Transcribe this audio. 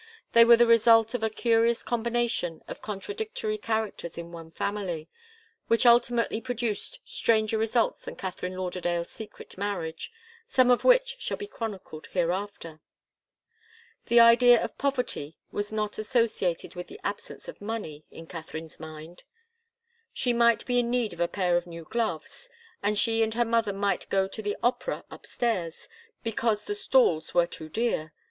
They were the result of a curious combination of contradictory characters in one family, which ultimately produced stranger results than Katharine Lauderdale's secret marriage, some of which shall be chronicled hereafter. The idea of poverty was not associated with the absence of money in Katharine's mind. She might be in need of a pair of new gloves, and she and her mother might go to the opera upstairs, because the stalls were too dear.